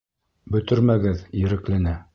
Бөтөрмәгеҙ Ереклене.